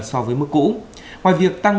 so với mức cũ ngoài việc tăng